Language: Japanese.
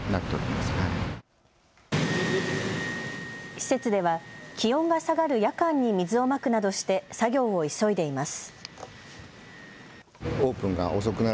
施設では気温が下がる夜間に水をまくなどして作業を急いでいます。